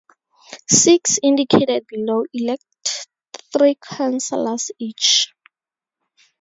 Six, indicated below, elect three councillors each.